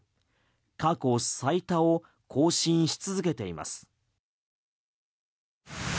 過去最多を更新し続けています。